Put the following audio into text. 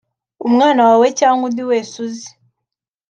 umwana wawe cyangwa undi wese uzi